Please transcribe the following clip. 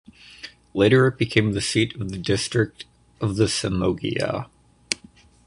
Later it became the seat of the District of the Samoggia.